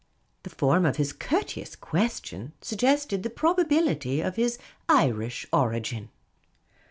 The form of his courteous question sug gested the probability of his Irish origin.